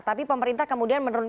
tapi pemerintah kemudian menurunkan